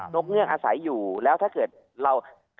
กเงือกอาศัยอยู่แล้วถ้าเกิดเรา